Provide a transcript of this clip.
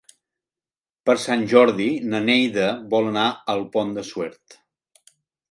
Per Sant Jordi na Neida vol anar al Pont de Suert.